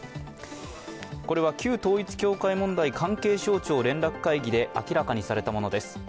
これは「旧統一教会」問題関係省庁連絡会議で明らかにされたものです。